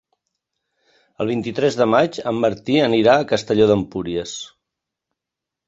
El vint-i-tres de maig en Martí anirà a Castelló d'Empúries.